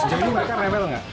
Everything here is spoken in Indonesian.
sejauh ini mereka rebel nggak